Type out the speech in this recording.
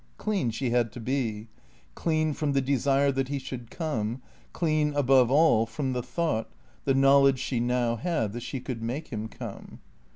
Clean she had to be; clean from the desire that he should come; clean, above all, from the thought, the knowledge she now had, that she could make him come.